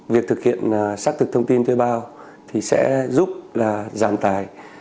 việc thực hiện xác thực thông tin thuê bao thì sẽ giúp là giảm tài